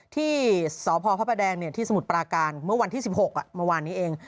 ที่สพพระประแดงที่สมุทรปราการเมื่อวันที่๑๖เมื่อวานนี้เอง